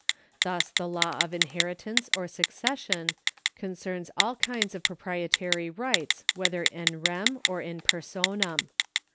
Thus the law of inheritance or succession concerns all kinds of proprietary rights whether in rem or in personam.